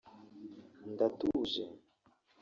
ndatuje